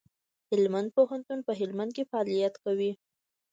هلمند پوهنتون په هلمند کي فعالیت کوي.